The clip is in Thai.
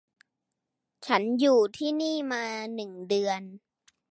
ฉันอยู่ที่นี่มาหนึ่งเดือน